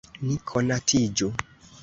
Ni konatiĝu.